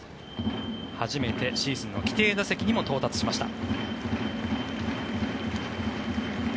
初めてシーズンの規定打席にも到達しました。